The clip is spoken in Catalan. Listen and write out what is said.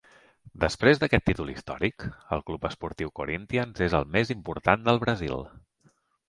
Després d'aquest títol històric, el club esportiu Corinthians és el més important del Brasil.